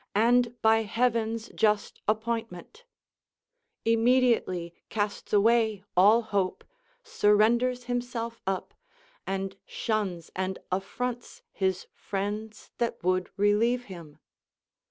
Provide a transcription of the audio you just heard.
177 and by Heaven's just appointment, — immediately casts away all ^liope, surrenders himself up, and shuns and affronts his friends that would relieve him.